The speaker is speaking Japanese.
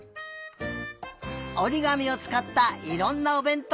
おりがみをつかったいろんなおべんとう